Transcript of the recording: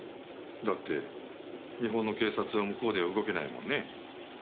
だって日本の警察は向こうでは動けないもんね。